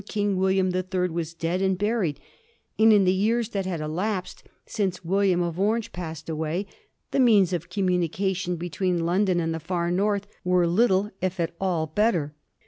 King William the Third, was dead and buried ; and in the years that had elapsed since William of Orange passed away the means of communication be tween London and the far north were little if at all better.